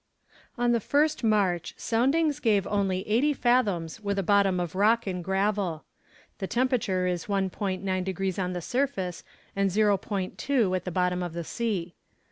On the 1st March soundings gave only eighty fathoms with a bottom of rock and gravel. The temperature is 1 degree 9 on the surface, and 0 degree 2 at the bottom of the sea.